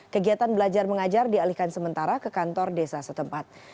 kegiatan belajar mengajar dialihkan sementara ke kantor desa setempat